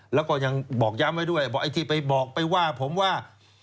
แล้วก็ยังบอกย้ำไว้ด้วยบอกไอ้ที่ไปบอกไปว่าผมว่า